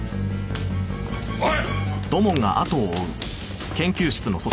おい！